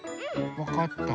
わかった。